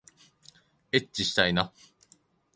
えっちしたいな